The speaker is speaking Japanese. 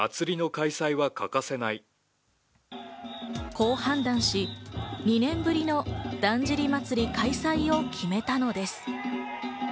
こう判断し、２年ぶりのだんじり祭開催を決めたのです。